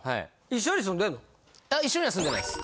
一緒には住んでないです。